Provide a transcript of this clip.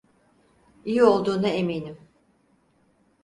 İyi olduğuna eminim.